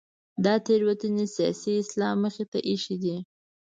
دا تېروتنې سیاسي اسلام مخې ته اېښې دي.